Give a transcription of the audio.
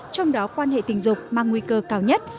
trong đó quan hệ tình dục mang nguy cơ cao nhất